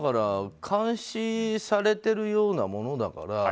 監視されてるようなものだから。